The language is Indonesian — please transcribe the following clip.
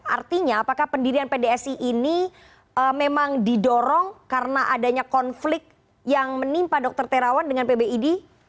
artinya apakah pendirian pdsi ini memang didorong karena adanya konflik yang menimpa dr terawan dengan pbid